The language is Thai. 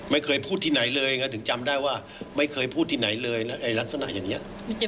ไม่เคยพูดที่ไหนเลยถึงจำได้ว่าไม่เคยพูดที่ไหนเลยลักษณะอย่างนี้